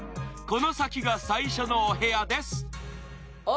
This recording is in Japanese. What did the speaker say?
この先が最初のお部屋です。